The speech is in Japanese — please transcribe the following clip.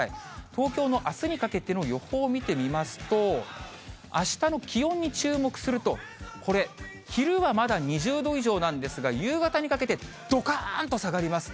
東京のあすにかけての予報を見てみますと、あしたの気温に注目すると、これ、昼はまだ２０度以上なんですが、夕方にかけて、どかーんと下がります。